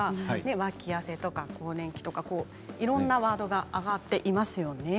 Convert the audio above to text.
脇汗とか更年期とかいろんなワードが上がっています。